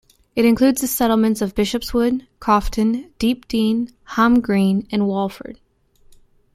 It includes the settlements of Bishopswood, Coughton, Deep Dean, Hom Green and Walford.